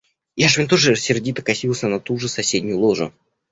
Яшвин тоже сердито косился на ту же соседнюю ложу.